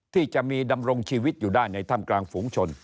ที่จะมีดำรงชีวิตอยู่ได้ในถ้ำกลางฝูงชน